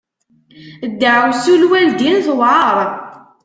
Ddaɛwessu n lwaldin tewɛeṛ.